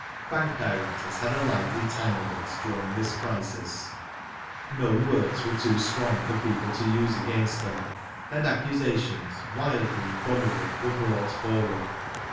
Bank directors had a lively time of it during this crisis. No words were too strong for people to use against them, and accusations, wildly improbable} were brought forward.